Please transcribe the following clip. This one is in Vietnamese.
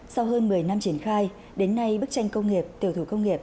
sau hơn một mươi năm triển khai đến nay bức tranh công nghiệp tiểu thủ công nghiệp